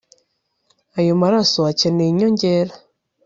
ayo maraso akeneye inyongera